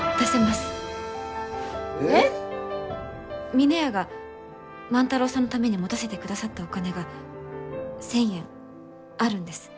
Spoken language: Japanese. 峰屋が万太郎さんのために持たせてくださったお金が１，０００円あるんです。